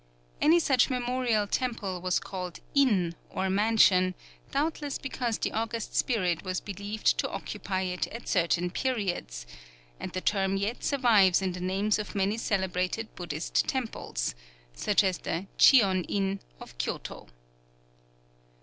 Any such memorial temple was called in, or "mansion," doubtless because the august spirit was believed to occupy it at certain periods; and the term yet survives in the names of many celebrated Buddhist temples, such as the Chion In, of Kyōtō.